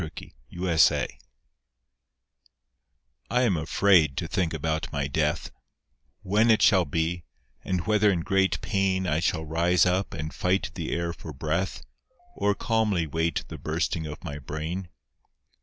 NO COWARD'S SONG I am afraid to think about my death, When it shall be, and whether in great pain I shall rise up and fight the air for breath Or calmly wait the bursting of my brain.